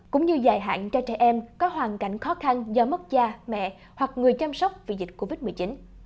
cũng như dài hạn cho trẻ em có hoàn cảnh khó khăn do mất cha mẹ hoặc người chăm sóc vì dịch covid một mươi chín